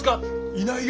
「いないよ」